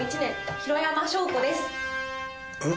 えっ。